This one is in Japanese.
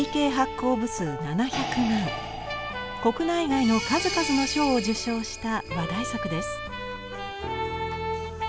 国内外の数々の賞を受賞した話題作です。